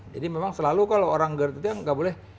jadi memang selalu kalau orang gerdutnya gak boleh